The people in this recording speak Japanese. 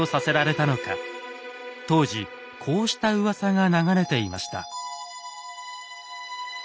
当時こうしたうわさが流れていました。